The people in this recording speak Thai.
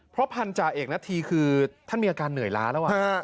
เพราะพันธาเอกณฑีคือท่านมีอาการเหนื่อยล้าแล้ว